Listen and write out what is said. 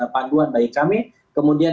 panduan bagi kami kemudian